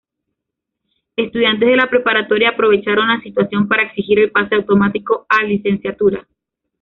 Estudiantes de la preparatoria aprovecharon la situación para exigir el pase automático a licenciatura.